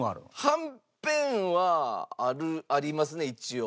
はんぺんはあるありますね一応。